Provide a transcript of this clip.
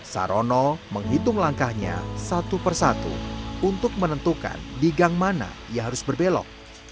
sarono menghitung langkahnya satu persatu untuk menentukan di gang mana ia harus berbelok